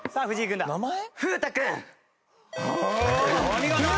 お見事！